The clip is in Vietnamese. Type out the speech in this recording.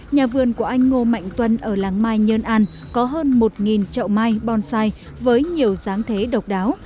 nhà vườn của anh ngô mạnh tuân ở làng mai nhơn an có hơn một chậu mai bonsai với nhiều dáng thế độc đáo